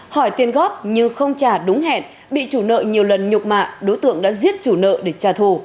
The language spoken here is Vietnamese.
hỏi tiền góp nhưng không trả đúng hẹn bị chủ nợ nhiều lần nhục mạ đối tượng đã giết chủ nợ để trả thù